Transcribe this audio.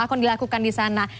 akun dilakukan di sana